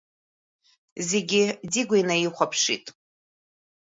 Зегьы Дигәа инаихәаԥшит.